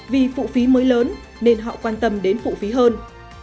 vì phụ phí mới lớn nên họ quan tâm đến phụ phí hơn